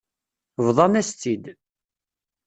Bḍan-as-tt-id.